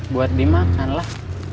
buat dimakan lah